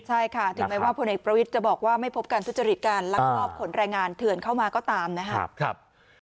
ใช่ค่ะถึงแม้ว่าพลเอกประวิทย์จะบอกว่าไม่พบการทุจริตการลักลอบขนแรงงานเถื่อนเข้ามาก็ตามนะครับ